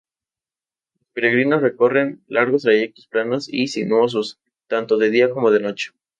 Los peregrinos recorren largos trayectos planos y sinuosos tanto de día como de noche.